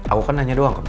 aku kan nanya doang ke men